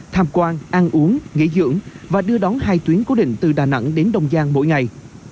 tham quan ăn uống nghỉ dưỡng và đưa đón hai tuyến cố định từ đà nẵng đến đông giang mỗi ngày